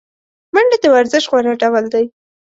منډه د ورزش غوره ډول دی